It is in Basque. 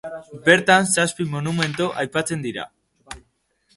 Bertan zazpi monumentu aipatzen dira.